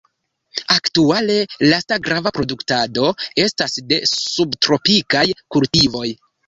Aktuale lasta grava produktado estas de subtropikaj kultivoj.